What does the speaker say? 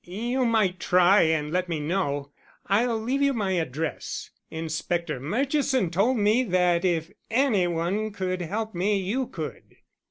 "You might try and let me know. I'll leave you my address. Inspector Murchison told me that if anyone could help me you could."